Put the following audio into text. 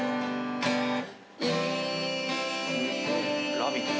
ラヴィット！